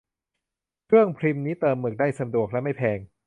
เครื่องพิมพ์นี้เติมหมึกได้สะดวกและไม่แพง